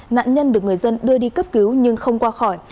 nạn nhân được người dân đưa đi cấp cứu nhưng không qua khỏi